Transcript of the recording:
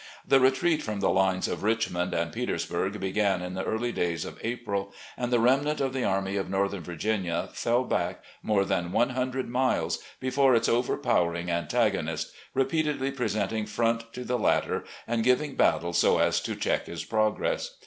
. The retreat from the lines of Richmond and Petersburg began in the early days of April, and the remnant of the Army of Northern Virginia fell back, more than one htmdred miles, before its overpowering antago nist, repeatedly presenting front to the latter and giving battle so as to check his progress.